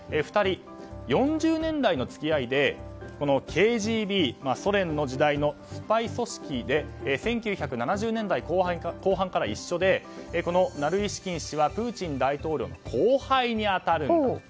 ２人、４０年来の付き合いでＫＧＢソ連の時代のスパイ組織で１９７０年代後半から一緒でこのナルイシキン氏はプーチン大統領の後輩に当たる。